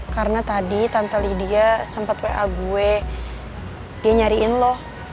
karena tadi tante lydia sempet wa gue dia nyariin lo